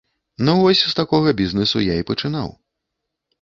Ну вось з такога бізнэсу я і пачынаў.